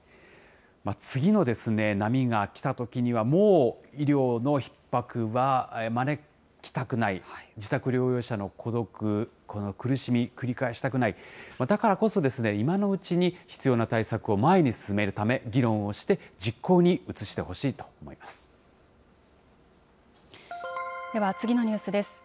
次の波が来たときには、もう医療のひっ迫は招きたくない、自宅療養者の孤独、この苦しみ、繰り返したくない、だからこそ、今のうちに必要な対策を前に進めるため議論をして、実行に移してでは次のニュースです。